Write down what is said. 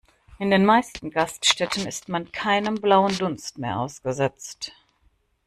In den meisten Gaststätten ist man keinem blauen Dunst mehr ausgesetzt.